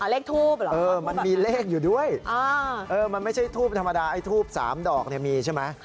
เลขทูบเหรอมันมีเลขอยู่ด้วยมันไม่ใช่ทูบธรรมดาไอ้ทูบ๓ดอกมีใช่ไหม